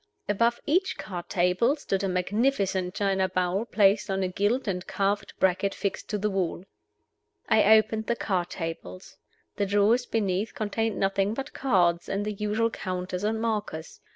Above each card table stood a magnificent china bowl placed on a gilt and carved bracket fixed to the wall. I opened the card tables. The drawers beneath contained nothing but cards, and the usual counters and markers.